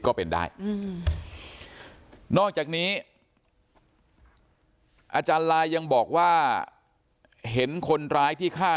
ก็เป็นได้นอกจากนี้อาจารย์ลายยังบอกว่าเห็นคนร้ายที่ฆ่า